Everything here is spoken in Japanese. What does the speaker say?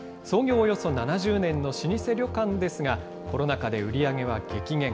およそ７０年の老舗旅館ですが、コロナ禍で売り上げは激減。